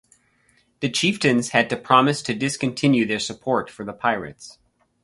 The chieftains had to promise to discontinue their support for the pirates.